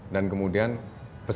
dan kemudian besar besar